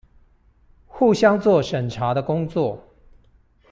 互相做審查的工作